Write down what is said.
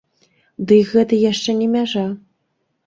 Дый гэта яшчэ не мяжа.